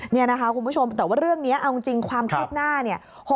นี่นะคะคุณผู้ชมแต่ว่าเรื่องนี้เอาจริงความคืบหน้าเนี่ย